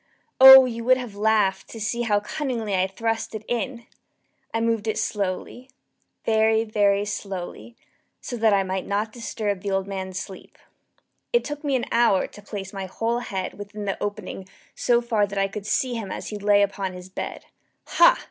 Oh, you would have laughed to see how cunningly I thrust it in! I moved it slowly very, very slowly, so that I might not disturb the old man's sleep. It took me an hour to place my whole head within the opening so far that I could see him as he lay upon his bed. Ha!